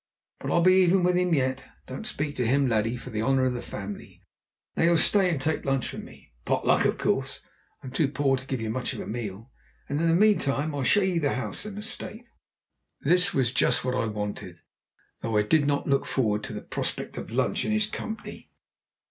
But I'll be even with him yet. Don't speak to him, laddie, for the honour of the family. Now ye'll stay and take lunch with me? potluck, of course I'm too poor to give ye much of a meal; and in the meantime I'll show ye the house and estate." This was just what I wanted, though I did not look forward to the prospect of lunch in his company.